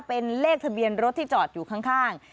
เป็นเลขทะเบียนรถที่จอดอยู่ข้าง